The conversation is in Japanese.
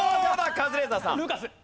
カズレーザーさん。